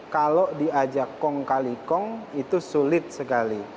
kalau diajak kong kali kong itu sulit sekali